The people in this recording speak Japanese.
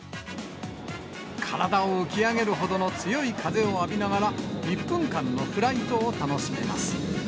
体を浮き上げるほどの強い風を浴びながら、１分間のフライトを楽しめます。